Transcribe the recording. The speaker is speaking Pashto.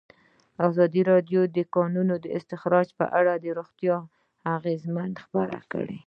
ازادي راډیو د د کانونو استخراج په اړه د روغتیایي اغېزو خبره کړې.